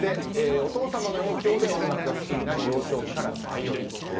お父様の影響で音楽が好きになり幼少期からバイオリン。